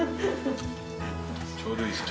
ちょうどいいですね。